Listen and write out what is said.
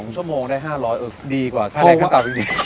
๒ชั่วโมงได้๕๐๐บาทดีกว่าค่าแรงขั้นต่ำยังไง